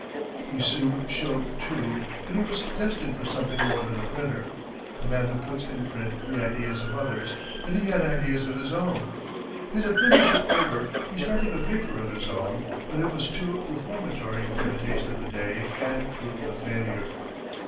He soon showed, too, that he was destined for something more than a printer a man who puts in print the ideas of others that he had ideas of his own. His apprenticeship over, he started a paper of his own, but it was too reformatory for the taste of the day, and proved a failure.